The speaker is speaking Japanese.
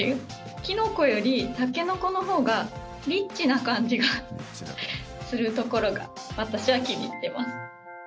きのこより、たけのこのほうがリッチな感じがするところが私は気に入ってます。